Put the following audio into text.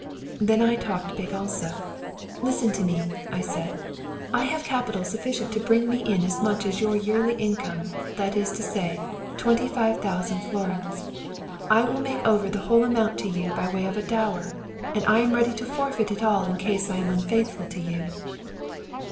"Then I talked big also. "'Listen to me!' I said. 'I have capital sufficient to bring me in as much as your yearly income that is to say, twenty five thousand florins. I will make over the whole amount to you by way of a dower, and I am ready to forfeit it all in case I am unfaithful to you.'"